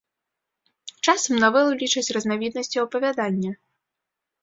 Часам навелу лічаць разнавіднасцю апавядання.